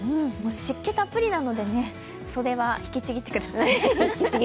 湿気たっぷりなので袖は引きちぎってください。